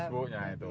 bumdes bu itu